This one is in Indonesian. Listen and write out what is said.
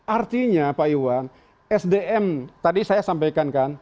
artinya pak iwan sdm tadi saya sampaikan kan